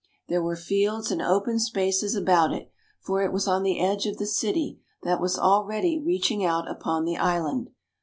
There were fields and open spaces about it, for it was on the edge of the city that was already reaching out upon the island.